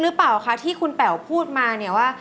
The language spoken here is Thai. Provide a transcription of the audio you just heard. ลงไปเป๋ามานี่